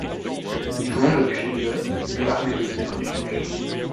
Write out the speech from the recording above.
Il commande depuis le l'armée de terre turque.